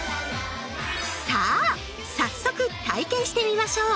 さあ早速体験してみましょう。